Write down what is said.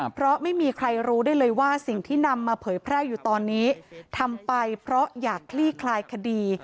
เพราะไม่มีใครรู้ได้เลยว่าสิ่งที่นำมาเผยแพร่อยู่ตอนนี้ทำไปเพราะอยากคลี่คลายคดี